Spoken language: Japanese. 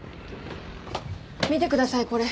見てくださいこれ。